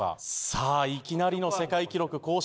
さあいきなりの世界記録更新なるか？